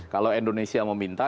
kalau indonesia mau minta